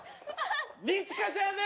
二千翔ちゃんで！